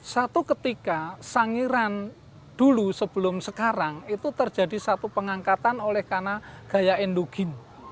satu ketika sangiran dulu sebelum sekarang itu terjadi satu pengangkatan oleh karena gaya endogen